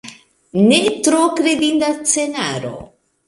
Ne tro kredinda scenaro.